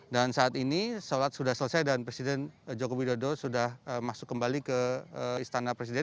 dan saat ini solat sudah selesai dan presiden joko widodo sudah masuk kembali ke istana presiden